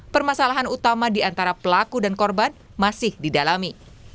permasalahan utama di antara pelaku dan korban masih didalami